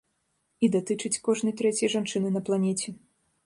І датычыць кожнай трэцяй жанчыны на планеце.